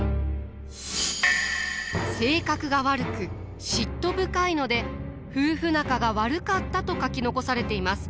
性格が悪く嫉妬深いので夫婦仲が悪かったと書き残されています。